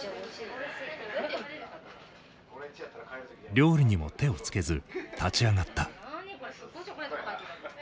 料理にも手をつけず立ち上がった。